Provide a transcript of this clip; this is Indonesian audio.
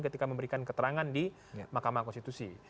ketika memberikan keterangan di mahkamah konstitusi